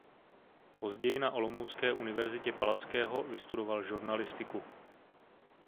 Později na olomoucké Univerzitě Palackého vystudoval žurnalistiku.